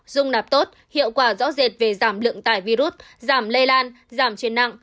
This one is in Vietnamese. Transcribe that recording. dung nạp tốt hiệu quả rõ rệt về giảm lượng tải virus giảm lây lan giảm trên nặng